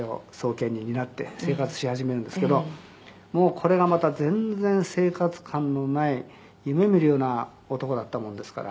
「これがまた全然生活感のない夢見るような男だったものですから」